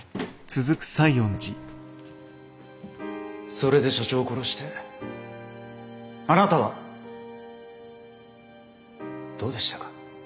それで社長を殺してあなたはどうでしたか？